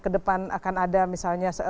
ke depan akan ada misalnya